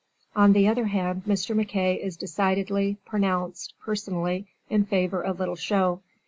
On the other hand Mr. MacKay is decidedly pronounced, personally, in favor of little show.